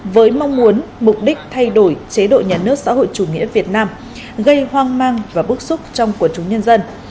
với mong muốn mục đích thay đổi chế độ nhà nước xã hội chủ nghĩa việt nam gây hoang mang và bức xúc trong quần chúng nhân dân